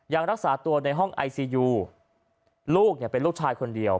ยังรักษาตัวในห้องไอซียูลูกเนี่ยเป็นลูกชายคนเดียว